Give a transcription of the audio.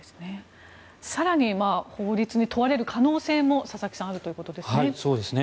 更に、法律に問われる可能性も佐々木さんあるということですね。